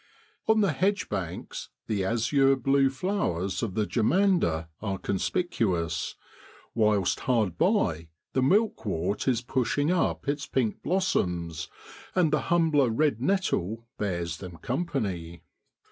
On the hedge banks the azure blue flowers of the germander are conspicuous, whilst hard by the milkwort is pushing up its pink blossoms, and the humbler red nettle bears them company.